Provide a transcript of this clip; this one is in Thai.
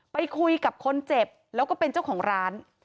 ไปคุยกับคนเจ็บแล้วก็เป็นเจ้าของร้าน